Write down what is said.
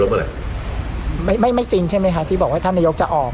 ไม่ไม่จริงใช่ไหมคะที่บอกว่าท่านนายกจะออก